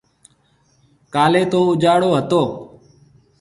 ڪاليَ تو اُجاݪو هتو۔